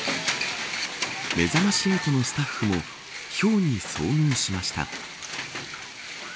めざまし８のスタッフもひょうに遭遇しました。